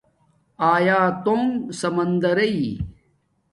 آیاتݸنݣآسمانݺݷ